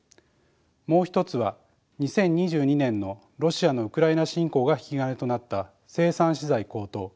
もう一つは２０２２年のロシアのウクライナ侵攻が引き金となった生産資材高騰